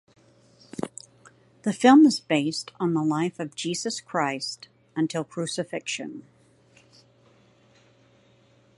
The film is based on the life of Jesus Christ until crucifixion.